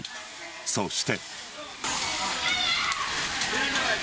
そして。